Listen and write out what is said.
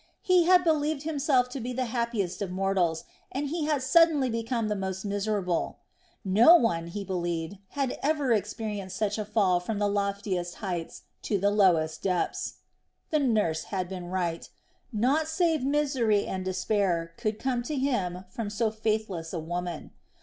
He had believed himself to be the happiest of mortals, and he had suddenly become the most miserable; no one, he believed, had ever experienced such a fall from the loftiest heights to the lowest depths. The nurse had been right. Naught save misery and despair could come to him from so faithless a woman.